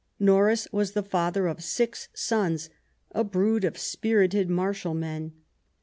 Norris was the father of six sons, " a brood of spirited, martial men